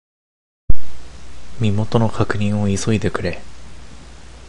身元の確認を急いでくれ。